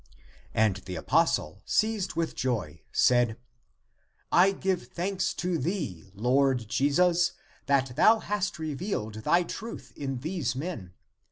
And the apostle seized with joy, said, " I give thanks to thee, Lord Jesus, that thou hast re vealed thy truth in these men.